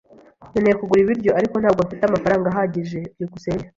Nkeneye kugura ibiryo, ariko ntabwo mfite amafaranga ahagije. byukusenge